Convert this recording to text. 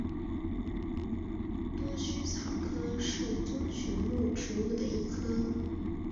多须草科是棕榈目植物的一科。